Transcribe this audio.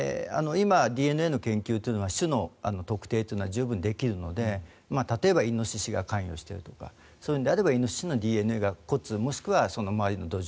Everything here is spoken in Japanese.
今、ＤＮＡの研究というのは種の特定というのは十分できるので例えばイノシシが関与してるとかそういうのであればイノシシのＤＮＡが骨もしくは周りの土壌